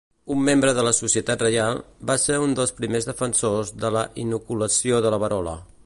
Un membre de la Societat Reial, va ser un dels primers defensors de la inoculació de la verola.